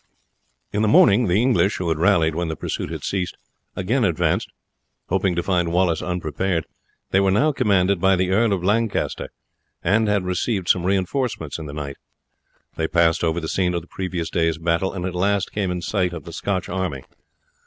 In the morning the English, who had rallied when the pursuit had ceased, again advanced, hoping to find Wallace unprepared. They were now commanded by the Earl of Lancaster, and had received some reinforcements in the night. They passed over the scene of the previous day's battle, and at last came in sight of the Scotch army.